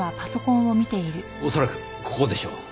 恐らくここでしょう。